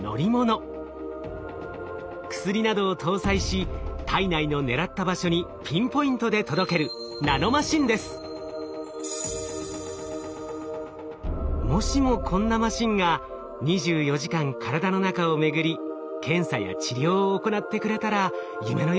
薬などを搭載し体内の狙った場所にピンポイントで届けるもしもこんなマシンが２４時間体の中を巡り検査や治療を行ってくれたら夢のようですよね。